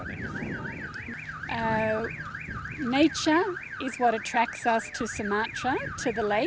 alam semesta ini membuat kita menarik ke sumatera ke sungai